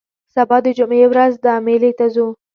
سبا د جمعې ورځ ده مېلې ته ځو